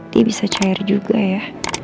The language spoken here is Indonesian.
dia bisa cair juga ya